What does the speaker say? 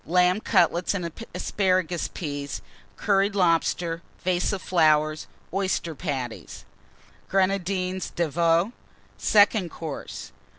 _ Lamb Cutlets and Asparagus Peas. Curried Lobster. Vase of Oyster Patties. Flowers. Grenadines de Veau. _Second Course.